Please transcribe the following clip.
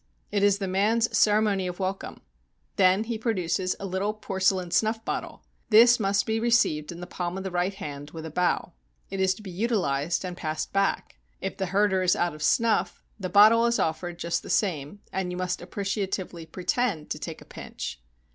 It is the man's ceremony of wel come. Then he produces a httle porcelain snuff bottle. This must be received in the palm of the right hand with a bow. It is to be utihzed, and passed back. If the herder is out of snuff, the bottle is offered just the same and you must appreciatively pretend to take a pinch.